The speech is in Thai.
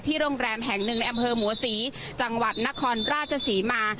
ที่โรงแรมแห่งหนึ่งในแอมเฮอร์หมวสีจังหวัดนครราชศรีมา